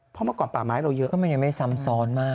เพราะเมื่อก่อนป่าไม้เราเยอะมันยังไม่ซ้ำซ้อนมาก